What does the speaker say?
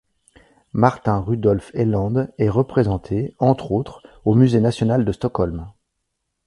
Martin Rudolf Heland est représenté, entre autres, au Musée national de Stockholm.